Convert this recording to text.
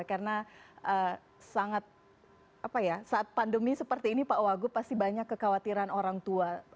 karena sangat apa ya saat pandemi seperti ini pak owagu pasti banyak kekhawatiran orang tua